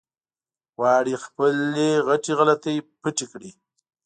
غواړي خپلې غټې غلطۍ پټې کړي.